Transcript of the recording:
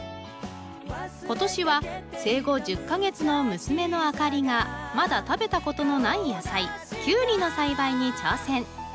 今年は生後１０か月の娘の明里がまだ食べた事のない野菜キュウリの栽培に挑戦！